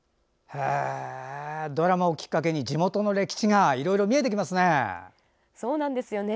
ドラマをきっかけに地元の歴史がいろいろ見えてきますね。